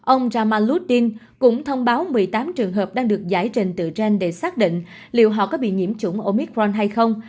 ông ramaloudin cũng thông báo một mươi tám trường hợp đang được giải trình từ trên để xác định liệu họ có bị nhiễm chủng omicron hay không